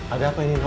ada apa ini noh